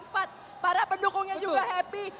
para pendukungnya juga happy